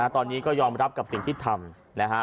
ตอนนี้ก็ยอมรับกับสิ่งที่ทำนะฮะ